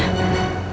hai beni aku oh